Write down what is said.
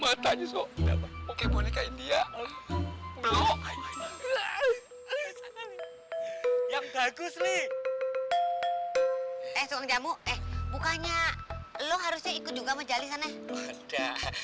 yang bagus nih eh kamu eh bukannya lo harusnya ikut juga menjalin sana udah